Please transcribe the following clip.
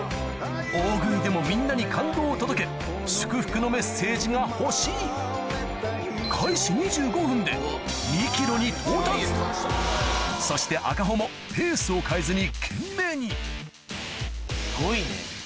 大食いでもみんなに感動を届け祝福のメッセージが欲しいに到達そして赤穂もペースを変えずに懸命にすごいね。